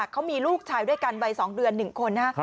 เค้ามีลูกชายด้วยกันในสองเดือนหนึ่งคน